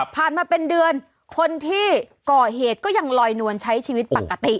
มาเป็นเดือนคนที่ก่อเหตุก็ยังลอยนวลใช้ชีวิตปกติ